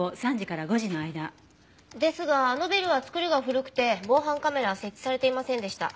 ですがあのビルは造りが古くて防犯カメラは設置されていませんでした。